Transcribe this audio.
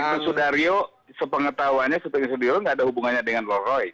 bukan sutikno sudaryo sepengetahuannya sepengetahuannya sendiri enggak ada hubungannya dengan rolls royce